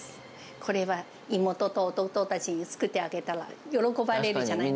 これは妹と弟たちに作ってあげたら、喜ばれるんじゃない？